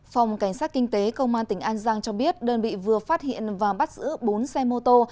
phòng cảnh sát kinh tế công an tỉnh an giang cho biết đơn vị vừa phát hiện và bắt giữ bốn xe mô tô